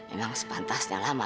enggak sepantasnya lama